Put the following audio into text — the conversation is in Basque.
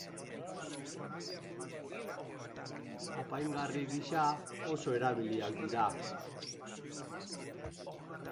Apaingarri gisa oso erabiliak dira.